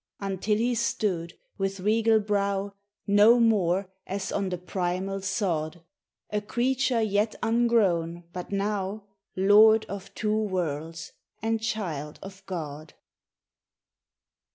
Until he stood with regal brow, — No more, as on the primal sod, A creature yet ungrown, but now Lord of two worlds, and child of God